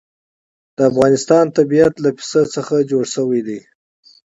د افغانستان طبیعت له پسه څخه جوړ شوی دی.